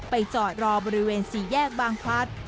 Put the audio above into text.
จอดรอบริเวณสี่แยกบางพลัด